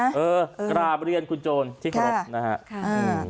เออราบเรือนคุณโจรที่เคราะห์นะฮะค่ะอืม